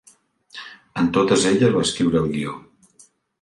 En totes elles va escriure el guió.